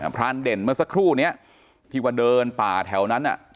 พรานเด่นเมื่อสักครู่นี้ที่ว่าเดินป่าแถวนั้น